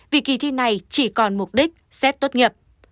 vì kỳ thi này chỉ còn mục đích xét tốt nghiệp